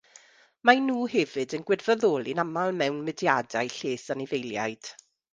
Maen nhw hefyd yn gwirfoddoli'n aml mewn mudiadau lles anifeiliaid.